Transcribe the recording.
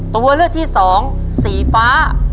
ตัวเลือกที่สองสีฟ้า